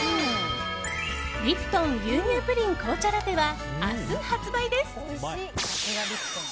リプトン牛乳プリン紅茶ラテは明日発売です。